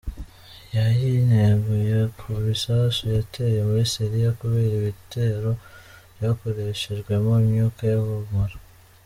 Yayineguye ku bisasu yateye muri Syria, kubera ibitero vyakoreshejwemwo imyuka y'ubumara.